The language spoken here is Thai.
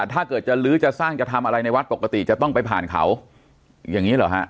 ถ้าเกิดจะลื้อจะสร้างจะทำอะไรในวัดปกติจะต้องไปผ่านเขาอย่างนี้เหรอฮะ